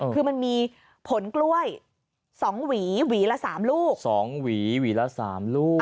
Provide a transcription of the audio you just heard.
คือมันมีผลกล้วยสองหวีหวีละสามลูกสองหวีหวีละสามลูก